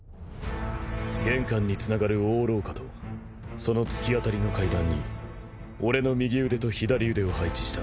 玄関につながる大廊下とその突き当たりの階段に俺の右腕と左腕を配置した。